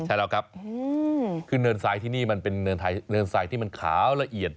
ใช่แล้วครับคือเนินทรายที่นี่มันเป็นเนินทรายที่มันขาวละเอียด